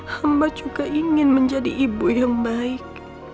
hamba juga ingin menjadi ibu yang baik